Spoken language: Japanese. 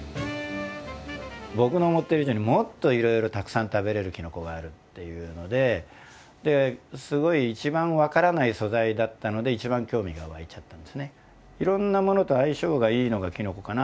僕の思ってる以上にもっといろいろたくさん食べれるきのこがあるっていうのですごい一番分からない素材だったので一番興味が湧いちゃったんですね。